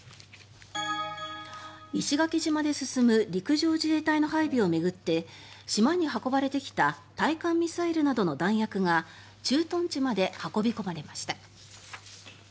石垣島で進む陸上自衛隊の配備を巡って島に運ばれてきた対艦ミサイルなどの弾薬が駐屯地まで運び込まれました。